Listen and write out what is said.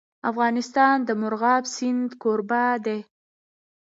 افغانستان د مورغاب سیند کوربه دی.